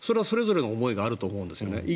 それぞれの思いがあると思うんですよね。